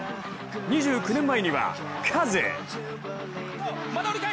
２９年前にはカズ！